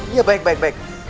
iya baik baik baik